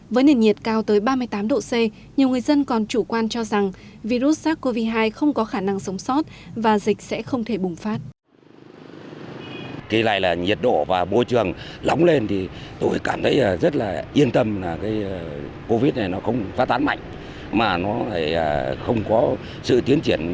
với nền nhiệt cao tới ba mươi tám độ c nhiều người dân còn chủ quan cho rằng virus sars cov hai không có khả năng sống sót và dịch sẽ không thể bùng phát